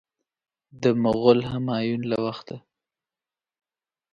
د مغول همایون له وخته.